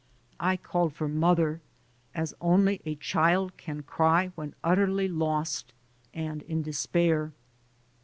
I called for "mother" as only a child can cry when utterly lost and in despair.